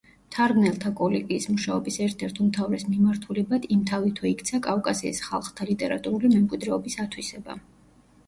მთარგმნელთა კოლეგიის მუშაობის ერთ-ერთ უმთავრეს მიმართულებად იმთავითვე იქცა კავკასიის ხალხთა ლიტერატურული მემკვიდრეობის ათვისება.